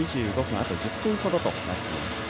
あと１０分ほどとなっています。